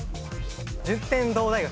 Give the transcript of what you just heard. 順天堂大学。